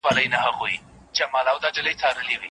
باطل هیڅکله رښتینی ثبات نه لري.